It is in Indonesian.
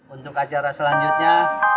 untuk acara selanjutnya